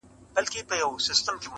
هم ملگری یې قاضي وو هم کوټوال وو-